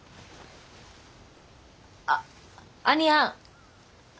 あ兄やん。